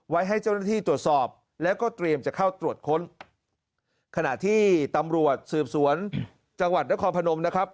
ให้เจ้าหน้าที่ตรวจสอบแล้วก็เตรียมจะเข้าตรวจค้นขณะที่ตำรวจสืบสวนจังหวัดนครพนมนะครับ